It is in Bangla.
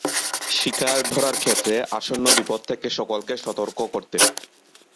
শিকার ধরার ক্ষেত্রে, আসন্ন বিপদ থেকে সকলকে সতর্ক করতে।